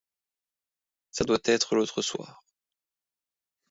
Ça doit être l'autre soir.